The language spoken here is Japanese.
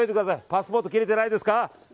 パスポート、切れてないですか？